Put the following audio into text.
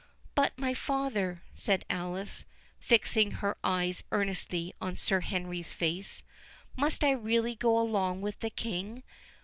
"But, my father," said Alice, fixing her eyes earnestly on Sir Henry's face, "must I really go along with the King?